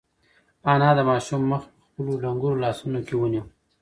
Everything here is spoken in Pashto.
انا د ماشوم مخ په خپلو ډنگرو لاسونو کې ونیو.